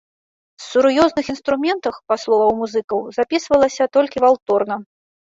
З сур'ёзных інструментаў, па словах музыкаў, запісвалася толькі валторна.